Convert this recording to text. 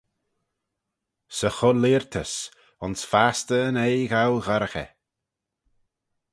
Sy cho-leayrtys, ayns fastyr yn oie ghoo ghorraghey.